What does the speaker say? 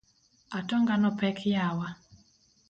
Atonga no pek yawa.